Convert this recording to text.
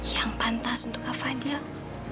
yang pantas untuk kak fadil